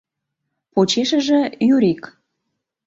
Почешыже — Юрик.